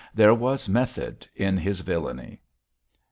There was method in his villainy.